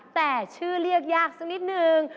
แต่ชื่อเรียกยากสักนิดนึง